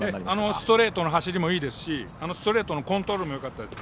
ストレートの走りもいいですしストレートのコントロールもよかったです。